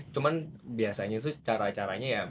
cuman biasanya tuh cara caranya ya